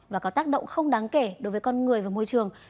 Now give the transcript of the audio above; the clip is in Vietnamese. và có tác động không đáng kể đối với con người và môi trường